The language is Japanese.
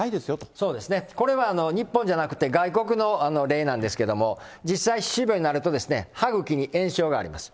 そうですね、これは日本じゃなくって、外国の例なんですけれども、実際、歯周病になると、歯ぐきに炎症があります。